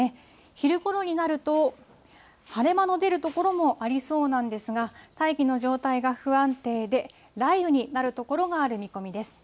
昼ごろになると、晴れ間の出る所もありそうなんですが、大気の状態が不安定で、雷雨になる所がある見込みです。